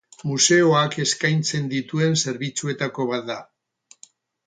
Museoak eskaintzen dituen zerbitzuetako bat da.